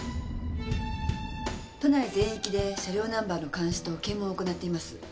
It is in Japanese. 都内全域で車両ナンバーの監視と検問を行っています。